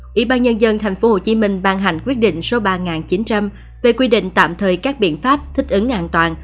quỹ ban nhân dân tp hcm ban hành quyết định số ba chín trăm linh về quy định tạm thời các biện pháp thích ứng an toàn